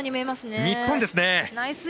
日本ですね。